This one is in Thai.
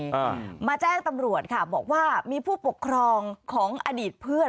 อ่ามาแจ้งตำรวจค่ะบอกว่ามีผู้ปกครองของอดีตเพื่อน